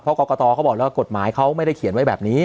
เพราะกรกตเขาบอกแล้วกฎหมายเขาไม่ได้เขียนไว้แบบนี้